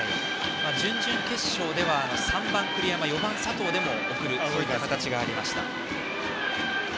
準々決勝では３番、栗山４番、佐藤での送りバントという形がありました。